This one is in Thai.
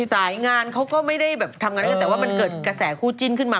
สายงานเขาก็ไม่ได้แบบทำงานด้วยกันแต่ว่ามันเกิดกระแสคู่จิ้นขึ้นมา